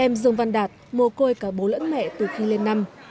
em dương văn đạt mồ côi cả bố lẫn mẹ từ khi lên năm